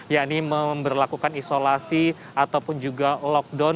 yakni memperlakukan isolasi ataupun juga lockdown